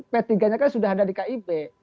p tiga nya kan sudah ada di kib